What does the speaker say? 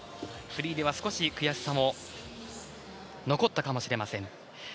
フリーでは少し悔しさも残ったかもしれません。